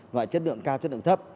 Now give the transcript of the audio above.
loại chất lượng cao chất lượng thấp